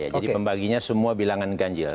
jadi pembaginya semua bilangan ganjil